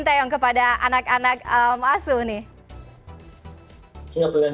dan respon dari pemain hampir semua